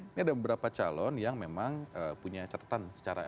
ini ada beberapa calon yang memang punya catatan secara